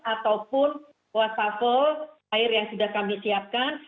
ataupun wastafel air yang sudah kami siapkan